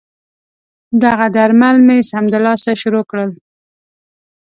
دغه درمل مې سمدلاسه شروع کړل.